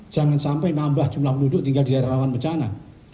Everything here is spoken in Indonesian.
jangan sampai nambah jumlah penduduk tinggal di daerah rawan bencana